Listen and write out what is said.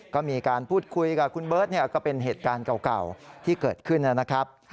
ก็มีการพูดคุยกับคุณเบิร์ตก็เป็นเหตุการณ์เก่าที่เกิดขึ้นนะครับ